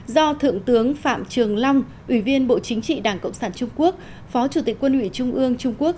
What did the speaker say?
do thượng tướng phạm trường long ủy viên bộ chính trị đảng cộng sản trung quốc phó chủ tịch quân ủy trung ương trung quốc